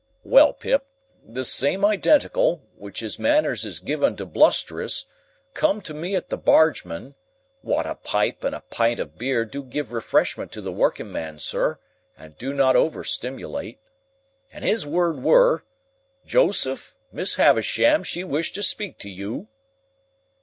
Well, Pip; this same identical, which his manners is given to blusterous, come to me at the Bargemen (wot a pipe and a pint of beer do give refreshment to the workingman, sir, and do not over stimilate), and his word were, 'Joseph, Miss Havisham she wish to speak to you.